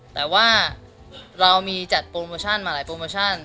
แต่ว่าเรามีจัดโปรโมชั่นมาหลายโปรโมชั่น